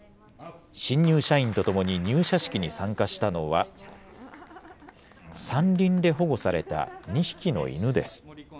新入社員と共に、入社式に参加したのは、山林で保護された２匹の犬です。